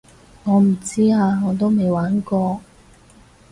我唔知啊我都未玩過